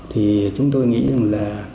thì chúng tôi nghĩ rằng là